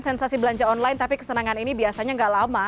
sensasi belanja online tapi kesenangan ini biasanya gak lama